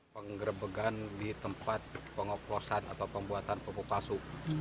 penggerebegan di tempat pengoplosan atau pembuatan pupuk palsu